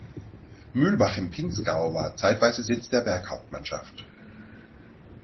Mühlbach im Pinzgau war zeitweise Sitz der Berghauptmannschaft.